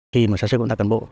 khi mà xã tri phương tạo cán bộ